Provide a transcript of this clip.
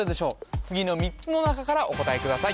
次の３つの中からお答えください